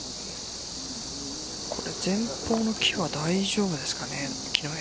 これ、前方の木は大丈夫ですかね。